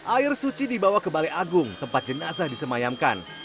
air suci dibawa ke balai agung tempat jenazah disemayamkan